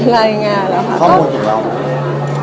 รายงานเราค่ะ